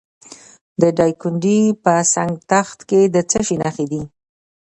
د دایکنډي په سنګ تخت کې د څه شي نښې دي؟